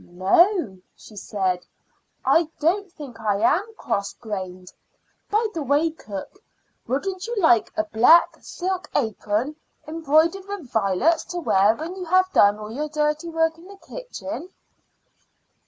"No," she said, "I don't think I am cross grained. By the way, cook, wouldn't you like a black silk apron embroidered with violets to wear when you have done all your dirty work in the kitchen?"